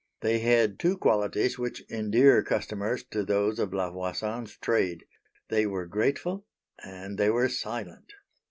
They had two qualities which endear customers to those of La Voisin's trade; they were grateful and they were silent.